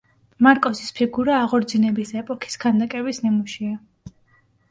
მარკოზის ფიგურა აღორძინების ეპოქის ქანდაკების ნიმუშია.